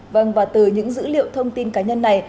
vâng và từ những dữ liệu thông tin cá nhân này